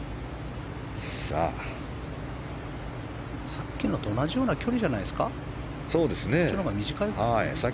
さっきのと同じような距離じゃないですか。